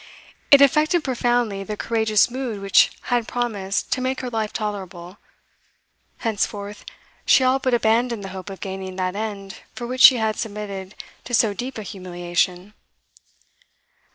It affected profoundly the courageous mood which had promised to make her life tolerable; henceforth, she all but abandoned the hope of gaining that end for which she had submitted to so deep a humiliation.